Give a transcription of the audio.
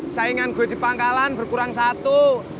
saingan gue di pangkalan berkurang satu